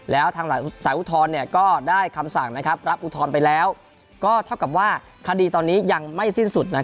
แล้วทางสารอุทธรณ์ก็ได้คำสั่งรับอุทธรณ์ไปแล้วก็เท่ากับว่าคดีตอนนี้ยังไม่สิ้นสุด